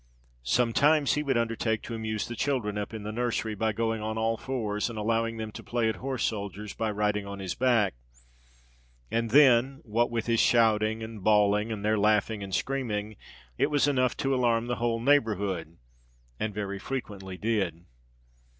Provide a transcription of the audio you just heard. Sometimes he would undertake to amuse the children up in the nursery, by going on all fours and allowing them to play at horse soldiers by riding on his back; and then, what with his shouting and bawling, and their laughing and screaming, it was enough to alarm the whole neighbourhood—and very frequently did.